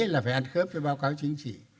là phải ăn khớp với báo cáo chính trị